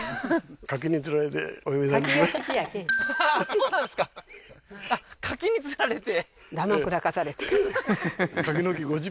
はははっそうなんですかあっ柿に釣られて？